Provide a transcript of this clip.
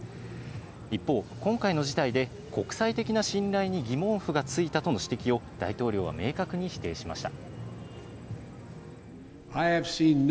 一方、今回の事態で国際的な信頼に疑問符がついたとの指摘を、大統領は明確に否定しました。